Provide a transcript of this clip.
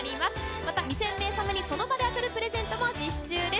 また２０００名様に、その場で当たるプレゼントも実施中です。